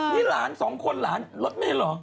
นี่หลานสองคนหลานรถเมนเหรอ